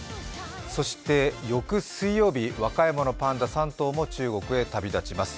そして翌水曜日、和歌山のパンダ３頭も中国に旅立ちます。